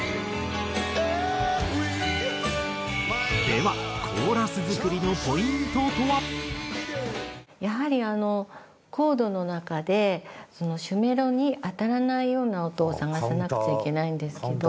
「エリー」ではやはりあのコードの中で主メロに当たらないような音を探さなくちゃいけないんですけど。